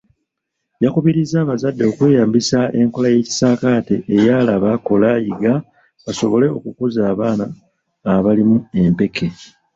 Yakubirizza abazadde okweyambisa enkola y’ekisaakaate eya ‘Laba, Kola, Yiga,’ basobole okukuza abaana abalimu empeke.